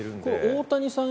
大谷さん